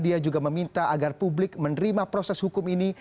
dia juga meminta agar publik menerima proses hukum ini